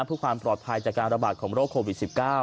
เพื่อความปลอดภัยจากการระบาดของโรคโควิด๑๙